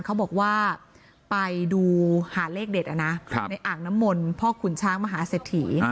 เขาบอกว่าไปดูหาเลขเด็ดในอ่างน้ำมนต์พ่อขุนช้างมหาเศรษฐี